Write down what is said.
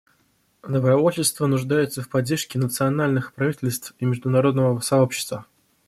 Добровольчество нуждается в поддержке национальных правительств и международного сообщества.